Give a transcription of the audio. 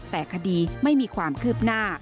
แต่คดีไม่มีความคืบหน้า